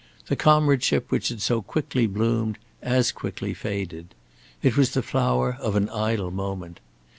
The comradeship which had so quickly bloomed as quickly faded. It was the flower of an idle moment.